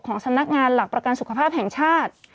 สำนักงานหลักประกันสุขภาพแห่งชาติ